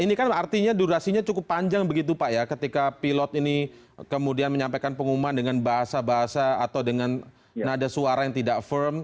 ini kan artinya durasinya cukup panjang begitu pak ya ketika pilot ini kemudian menyampaikan pengumuman dengan bahasa bahasa atau dengan nada suara yang tidak firm